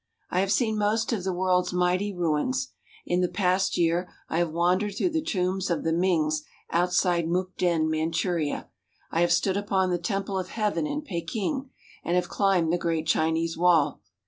I have seen most of the world's mighty ruins. In the past year I have wandered through the tombs of the Mings outside Mukden, Manchuria; I have stood upon the Temple of Heaven in Peking, and have climbed the great Chinese wall.